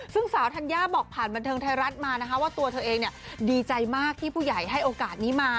ซึ่งสาวธัญญาบอกผ่านบันเทิงไทยรัฐมานะคะว่าตัวเธอเองดีใจมากที่ผู้ใหญ่ให้โอกาสนี้มา